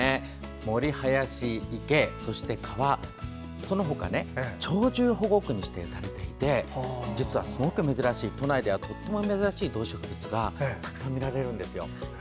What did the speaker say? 森、林、池、そして川その他鳥獣保護区に指定されていて都内では珍しい動植物がたくさん見られるんですよ。